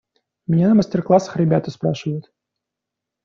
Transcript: Меня на мастер-классах ребята спрашивают.